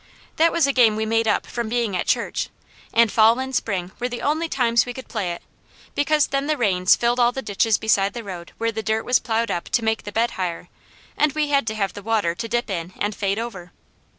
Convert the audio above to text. That was a game we made up from being at church, and fall and spring were the only times we could play it, because then the rains filled all the ditches beside the road where the dirt was plowed up to make the bed higher, and we had to have the water to dip in and fade over.